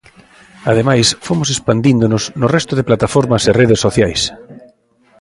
Ademais fomos expandíndonos no resto de plataformas e redes sociais.